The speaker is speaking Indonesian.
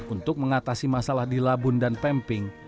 untuk mengatasi masalah di labun dan pemping